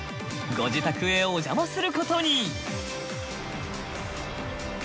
ご自宅へお邪魔することに！